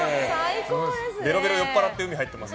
べろべろ酔っぱらって海入ってます。